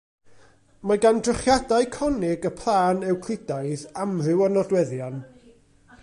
Mae gan drychiadau conig y plân Ewclidaidd amryw o nodweddion.